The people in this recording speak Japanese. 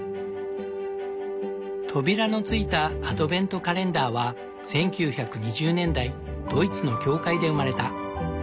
扉のついたアドベントカレンダーは１９２０年代ドイツの教会で生まれた。